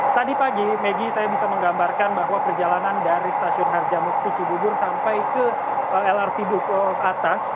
tadi pagi maggie saya bisa menggambarkan bahwa perjalanan dari stasiun harjamukti cibubur sampai ke lrt duku atas